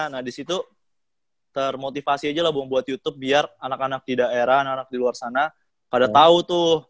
nah disitu termotivasi aja lah bang buat youtube biar anak anak di daerah anak anak di luar sana pada tahu tuh